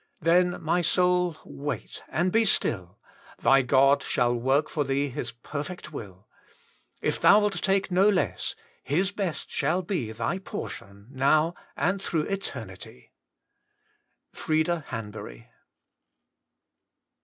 Then, my soul, wait and be still ; Thy God shall work for thee His perfect will. If thou wilt take no less, Hia best shall be Thy portion now and through eternity. FlBDA HAVBUBT.